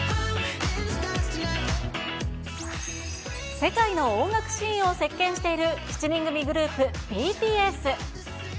世界の音楽シーンを席けんしている７人組グループ、ＢＴＳ。